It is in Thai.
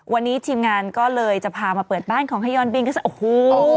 วันนี้ทีมงานก็เลยจะพามาเปิดบ้านของฮายอนบินก็จะโอ้โห